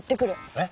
えっ？